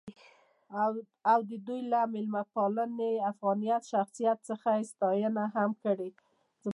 او د دوي له میلمه پالنې ،افغانيت ،شخصیت څخه يې ستاينه هم کړې.